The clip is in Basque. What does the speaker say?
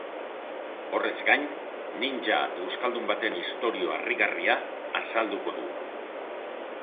Horrez gain, ninja euskaldun baten istorio harrigarria azalduko du.